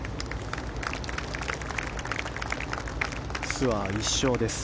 ツアー１勝です。